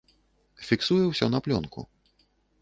Фіксуе ўсё на плёнку.